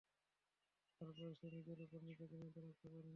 তারপরেও সে নিজের উপর নিজকে নিয়ন্ত্রণ রাখতে পারেনি।